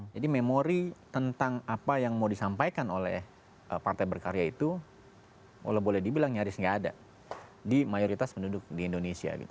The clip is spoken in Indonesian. jadi memori tentang apa yang mau disampaikan oleh partai berkarya itu boleh dibilang nyaris nggak ada di mayoritas penduduk di indonesia